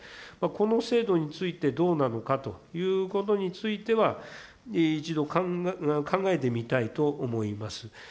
この制度についてどうなのかということについては、一度、考えてみたいと思います。